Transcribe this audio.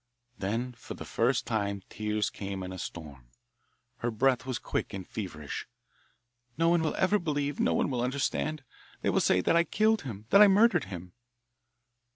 Then for the first time tears came in a storm. Her breath was quick and feverish. "No one will ever believe, no one will understand. They will say that I killed him, that I murdered him."